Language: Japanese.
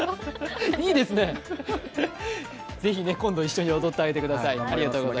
ぜひ今度一緒に踊ってあげてください。